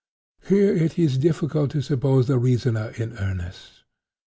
Here it is difficult to suppose the reasoner in earnest.